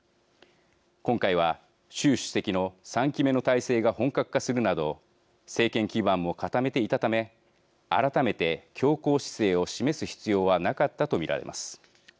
今回は習主席の３期目の体制が本格化するなど政権基盤も固めていたため改めて強硬姿勢を示す必要はなかったと見られます。